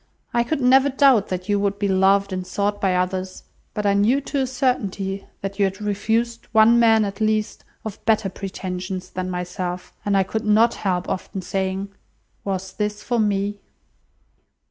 I could never doubt that you would be loved and sought by others, but I knew to a certainty that you had refused one man, at least, of better pretensions than myself; and I could not help often saying, 'Was this for me?